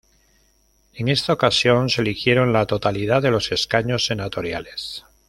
En esta ocasión se eligieron la totalidad de los escaños senatoriales.